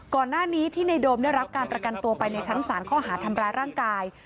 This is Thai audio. ก่อนหน้านี้ที่ในโดมได้รับการประกันตัวไปในชั้นศาลข้อหาทำร้ายร่างกาย